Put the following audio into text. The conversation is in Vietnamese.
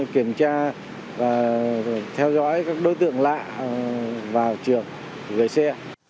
kiểm tra và theo dõi các đối tượng lạ vào trường gửi xe